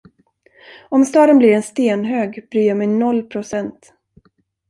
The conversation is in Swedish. Om staden blir en stenhög bryr jag mig noll procent.